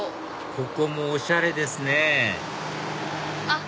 ここもおしゃれですねあっ